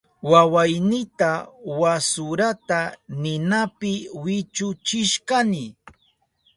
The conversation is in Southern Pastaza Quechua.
Wawaynita wasurata ninapi wichuchishkani.